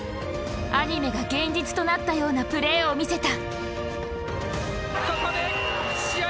アニメが現実となったようなプレーを見せたここで試合終了！